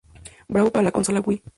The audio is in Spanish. Brawl para la consola Wii.